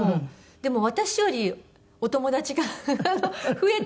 でも私よりお友達が増えてました。